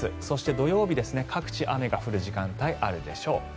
そして土曜日、各地雨が降る時間帯があるでしょう。